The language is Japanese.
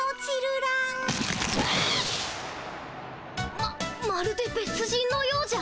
ままるでべつ人のようじゃ。